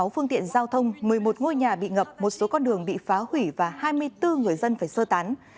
sáu phương tiện giao thông một mươi một ngôi nhà bị ngập một số con đường bị phá hủy và hai mươi bốn người dân phải sơ tán